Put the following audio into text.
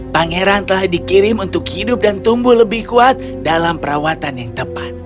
pangeran telah dikirim untuk hidup dan tumbuh lebih kuat dalam perawatan yang tepat